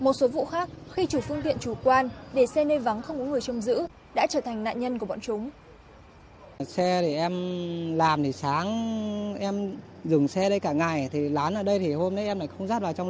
một số vụ khác khi chủ phương tiện chủ quan để xe nơi vắng không có người chông giữ đã trở thành nạn nhân của bọn chúng